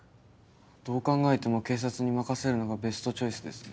どう考えても警察に任せるのがベストチョイスですね。